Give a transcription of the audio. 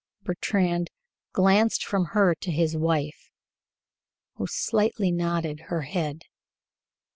Bertrand glanced from her to his wife, who slightly nodded her head.